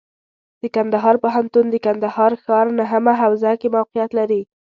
د کندهار پوهنتون د کندهار ښار نهمه حوزه کې موقعیت لري.